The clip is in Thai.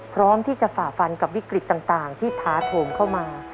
พร้อมที่จะฝ่าฟันกับวิกฤตต่างที่ท้าโถมเข้ามา